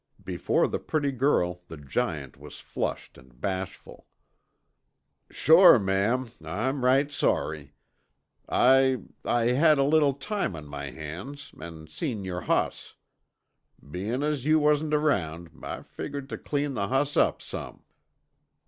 Before the pretty girl, the giant was flushed and bashful. "Shore, ma'am, I'm right sorry. I I had a little time on my hands an' seen yore hoss. Bein' as you warn't around, I figgered tuh clean the hoss up some."